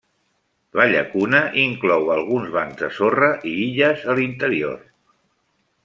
La llacuna inclou alguns bancs de sorra i illes a l'interior.